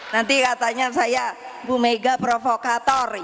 nanti katanya saya bu mega provokator